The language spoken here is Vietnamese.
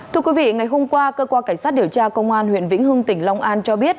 thưa quý vị ngày hôm qua cơ quan cảnh sát điều tra công an huyện vĩnh hưng tỉnh long an cho biết